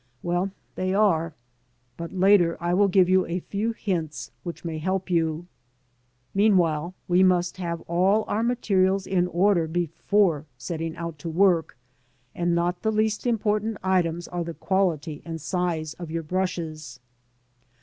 Well, they are. But later I will g^ve you a few hints which may help you. Meanwhile we must have all our materials in order before setting out to work, and not the least important items are the quality and size of your brushes.